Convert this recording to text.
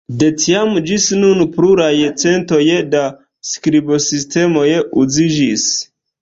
De tiam ĝis nun pluraj centoj da skribsistemoj uziĝis.